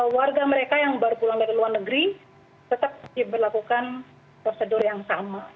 warga mereka yang baru pulang dari luar negeri tetap diberlakukan prosedur yang sama